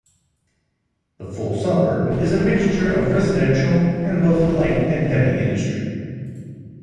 The full suburb is a mixture of residential and both light and heavy industry.